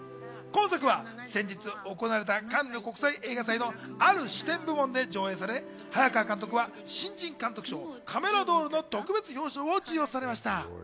今作は先日行われたカンヌ国際映画祭のある視点部門で上映され、早川監督は新人監督賞、カメラドールの特別表彰を授与されました。